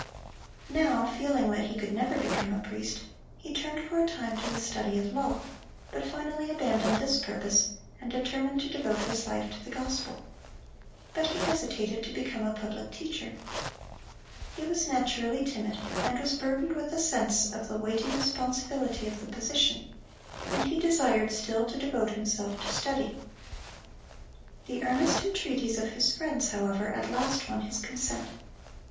Now, feeling that he could never become a priest, he turned for a time to the study of law, but finally abandoned this purpose, and determined to devote his life to the gospel. But he hesitated to become a public teacher. He was naturally timid, and was burdened with a sense of the weighty responsibility of the position, and he desired still to devote himself to study. The earnest entreaties of his friends, however, at last won his consent.